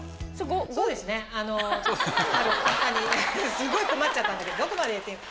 すごい困っちゃったんだけどどこまで言っていいの？